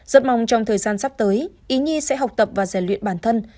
rất mong trong thời gian sắp tới ý nhi sẽ học tập và giải luyện bản thân